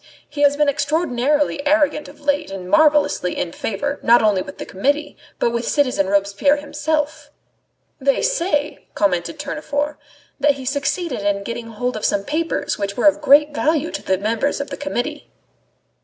He has been extraordinarily arrogant of late and marvellously in favour, not only with the Committee, but with citizen Robespierre himself." "They say," commented Tournefort, "that he succeeded in getting hold of some papers which were of great value to the members of the Committee."